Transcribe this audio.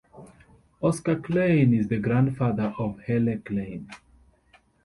Oskar Klein is the grandfather of Helle Klein.